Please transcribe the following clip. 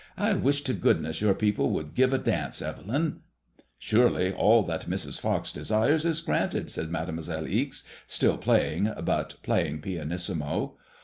I wish to goodness your people would give a dance, Evelyn 1 "" Surely all that Mrs. Fox desires is granted/' said Made moiselle Ixe, still playing, but playing pianissimo.